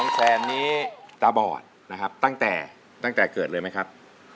น้องแซ่นนี้ตาบอดนะครับตั้งแต่เกิดเลยไหมครับ